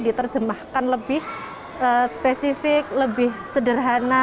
perlu diterjemahkan lebih spesifik lebih sederhana